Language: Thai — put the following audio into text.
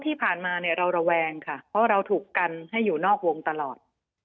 ที่ผ่านมาเนี่ยเราระแวงค่ะเพราะเราถูกกันให้อยู่นอกวงตลอด